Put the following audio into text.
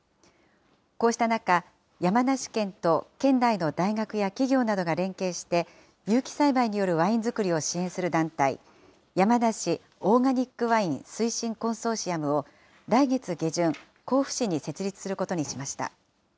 こうした中、山梨県と県内の大学や企業などが連携して、有機栽培によるワイン造りを支援する団体、山梨オーガニックワイン推進コンソーシアムを来月下旬、甲府市に設立することにしました。